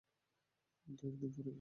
দু-একদিন পর ফিরে যাব।